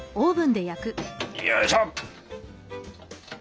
よいしょ。